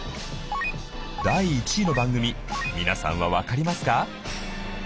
第１位の番組皆さんは分かりますか？